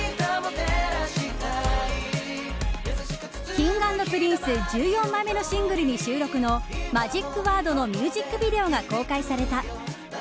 Ｋｉｎｇ＆Ｐｒｉｎｃｅ１４枚目のシングルに収録の「ＭＡＧＩＣＷＯＲＤ」のミュージックビデオが公開された。